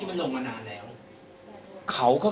คุณพูดไว้แล้วตั้งแต่ต้นใช่ไหมคะ